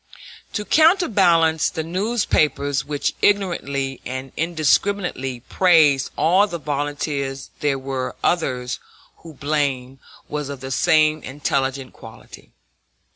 [*][*] To counterbalance the newspapers which ignorantly and indiscriminately praised all the volunteers there were others whose blame was of the same intelligent quality.